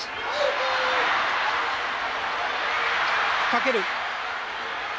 かける。